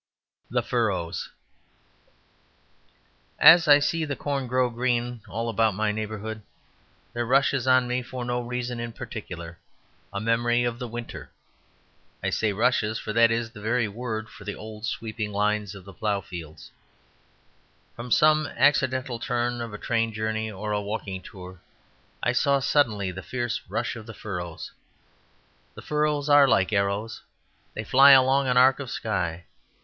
The Furrows As I see the corn grow green all about my neighbourhood, there rushes on me for no reason in particular a memory of the winter. I say "rushes," for that is the very word for the old sweeping lines of the ploughed fields. From some accidental turn of a train journey or a walking tour, I saw suddenly the fierce rush of the furrows. The furrows are like arrows; they fly along an arc of sky.